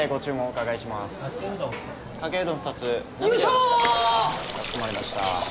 かしこまりました。